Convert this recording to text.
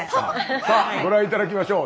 さあご覧頂きましょう。